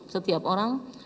satu setiap orang